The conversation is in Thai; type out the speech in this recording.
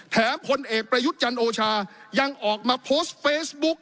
แถมคนเอกประยุจรรย์โอชายังออกมาโพสต์เฟซบุ๊ก